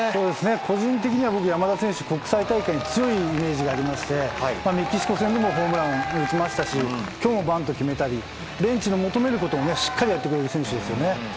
個人的には山田選手、国際大会に強いイメージがありましてメキシコ戦でもホームラン打ちましたし今日もバントを決めましたしベンチの求めることをしっかりやってくれる選手ですよね。